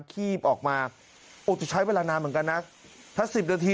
คีบออกมาโอ้จะใช้เวลานานเหมือนกันนะถ้าสิบนาที